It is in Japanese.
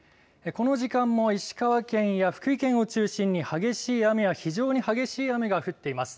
この時間も石川県や福井県を中心に激しい雨や非常に激しい雨が降っています。